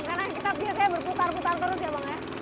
karena kita biasanya berputar putar terus ya bang ya